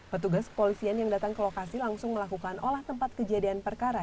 petugas kepolisian yang datang ke lokasi langsung melakukan olah tempat kejadian perkara